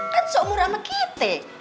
kan seumur sama kita